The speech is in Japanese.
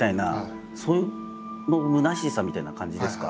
そういうむなしさみたいな感じですか？